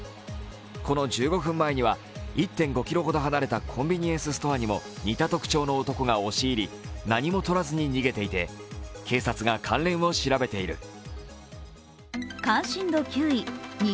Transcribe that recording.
この１５分前には１．５ｋｍほど離れたコンビニエンスストアにも似た特徴の男が押し入り何もとらずに逃げていて警察が関連を調べている。